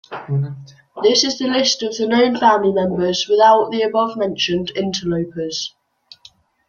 This is a list of the known family members, without the above mentioned interlopers.